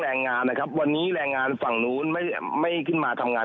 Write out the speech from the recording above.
แรงงานนะครับวันนี้แรงงานฝั่งนู้นไม่ไม่ขึ้นมาทำงาน